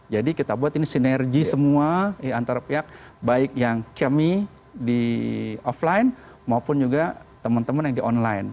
jadi kita buat ini sinergi semua antara pihak baik yang kami di offline maupun juga teman teman yang di online